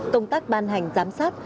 công tác ban hành giám sát